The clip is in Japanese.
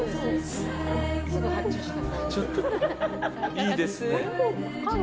いいですね。